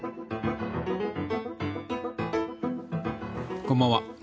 こんばんは。